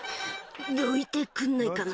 「どいてくんないかな」